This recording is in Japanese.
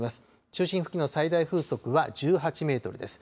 中心付近の最大風速は１８メートルです。